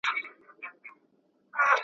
ما که یادوې که هېروې ګیله به نه لرم `